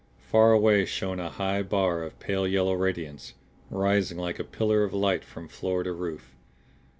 Far away shone a high bar of pale yellow radiance, rising like a pillar of light from floor to roof.